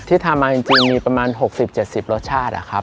ทำมาจริงมีประมาณ๖๐๗๐รสชาติอะครับ